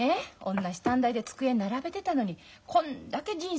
同じ短大で机並べてたのにこんだけ人生違うもんね。